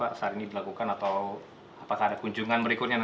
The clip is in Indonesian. apakah ada kunjungan berikutnya